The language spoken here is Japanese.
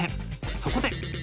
そこで。